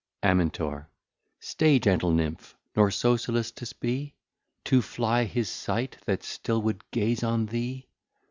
Amintor. Stay gentle Nymph, nor so solic'tous be? To fly his sight that still would gaze on thee.